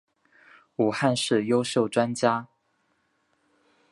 武汉市优秀专家。